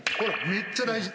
めっちゃ大事。